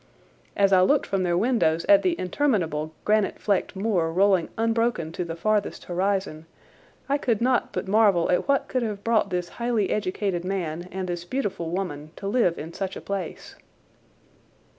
As I looked from their windows at the interminable granite flecked moor rolling unbroken to the farthest horizon I could not but marvel at what could have brought this highly educated man and this beautiful woman to live in such a place.